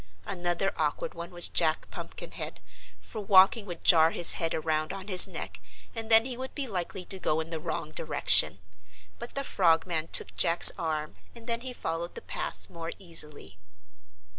Another awkward one was Jack Pumpkinhead, for walking would jar his head around on his neck and then he would be likely to go in the wrong direction. But the Frogman took Jack's arm and then he followed the path more easily.